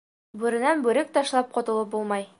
Бүренән бүрек ташлап ҡотолоп булмай.